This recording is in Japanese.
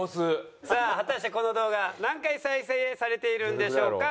さあ果たしてこの動画何回再生されているんでしょうか。